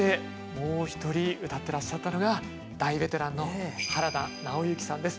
もう一人うたってらっしゃったのが大ベテランの原田直之さんです。